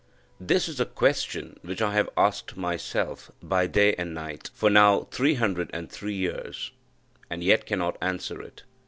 This is a question which I have asked myself, by day and night, for now three hundred and three years, and yet cannot answer it.